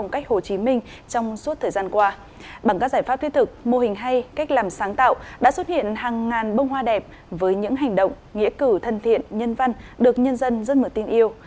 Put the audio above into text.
cách làm sáng tạo đã xuất hiện hàng ngàn bông hoa đẹp với những hành động nghĩa cử thân thiện nhân văn được nhân dân rất mở tin yêu